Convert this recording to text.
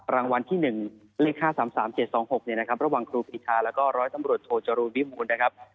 รางวัลที่๑เลข๕๓๓๗๒๖ระหว่างครูปีชาแล้วก็ร้อยตำรวจโทจรูลวิมูลนะครับ